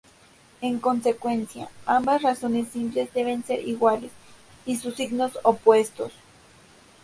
En consecuencia, ambas razones simples deben ser iguales, y sus signos opuestos.